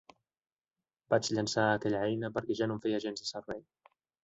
Vaig llençar aquella eina perquè ja no em feia gens de servei.